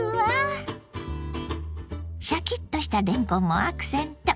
シャキッとしたれんこんもアクセント。